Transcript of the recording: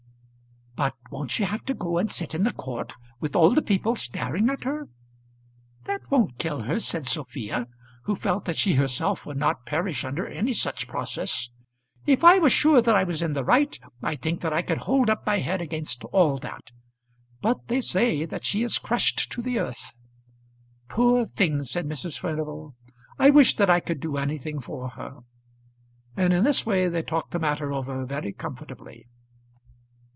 "But won't she have to go and sit in the court, with all the people staring at her?" "That won't kill her," said Sophia, who felt that she herself would not perish under any such process. "If I was sure that I was in the right, I think that I could hold up my head against all that. But they say that she is crushed to the earth." "Poor thing!" said Mrs. Furnival. "I wish that I could do anything for her." And in this way they talked the matter over very comfortably.